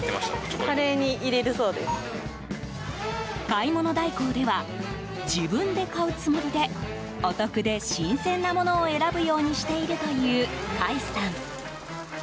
買い物代行では自分で買うつもりでお得で新鮮なものを選ぶようにしているという甲斐さん。